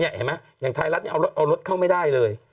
สามารถให้เอารถเข้าไม่ได้เลย